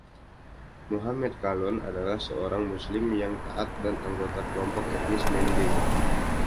Mohamed Kallon adalah seorang Muslim yang taat dan anggota kelompok etnis Mende.